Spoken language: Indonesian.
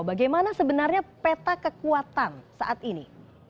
bagaimana sebenarnya peta kekuatan saat ini